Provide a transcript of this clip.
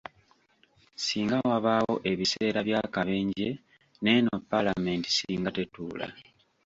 Singa wabaawo ebiseera by'akabenje n'eno Paalamenti singa tetuula.